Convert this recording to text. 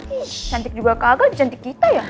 cantik juga kagak cantik kita ya